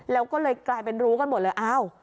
แล้วก็เลยกลายเป็นรู้กันหมดเลยอ้าว